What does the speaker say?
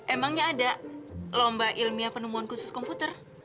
emangnya ada lomba ilmiah penemuan khusus komputer